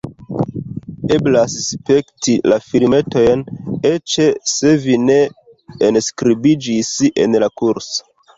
Eblas spekti la filmetojn, eĉ se vi ne enskribiĝis en la kurso.